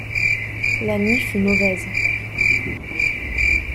La nuit fut mauvaise